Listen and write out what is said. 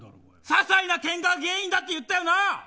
ささいなけんかが原因だって言ったよな。